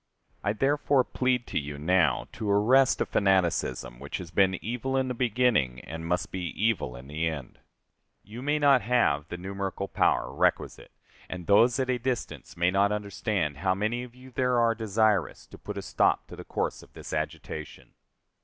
I therefore plead to you now to arrest a fanaticism which has been evil in the beginning and must be evil in the end. You may not have the numerical power requisite; and those at a distance may not understand how many of you there are desirous to put a stop to the course of this agitation.